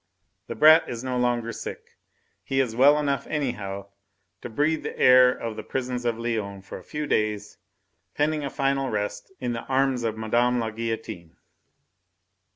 The brat is no longer sick he is well enough, anyhow, to breathe the air of the prisons of Lyons for a few days pending a final rest in the arms of Mme. la Guillotine.